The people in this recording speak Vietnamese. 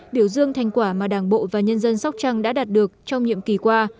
biểu dương thành quả mà đảng bộ và nhân dân sóc trăng đã đạt được trong nhiệm kỳ qua